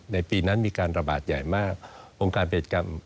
ในปีนั้นมีการระบาดใหญ่มากองค์การเพศกรรม